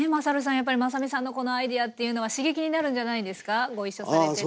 やっぱりまさみさんのこのアイデアというのは刺激になるんじゃないですかご一緒されてて。